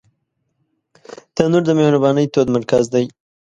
تنور د مهربانۍ تود مرکز دی